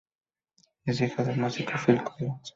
Es hija del músico Phil Collins.